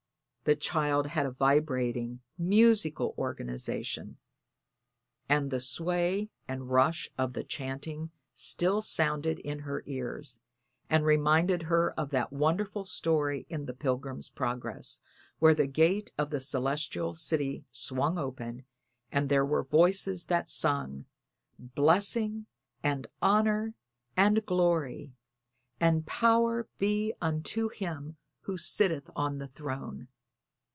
The child had a vibrating, musical organization, and the sway and rush of the chanting still sounded in her ears and reminded her of that wonderful story in the "Pilgrim's Progress", where the gate of the celestial city swung open, and there were voices that sung, "Blessing and honor and glory and power be unto Him who sitteth on the throne."